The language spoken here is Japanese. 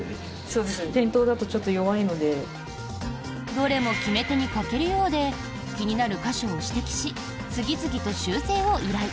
どれも決め手に欠けるようで気になる箇所を指摘し次々と修正を依頼。